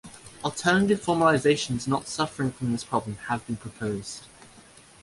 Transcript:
Alternative formalizations not suffering from this problem have been proposed.